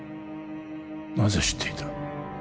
なぜ知っていた？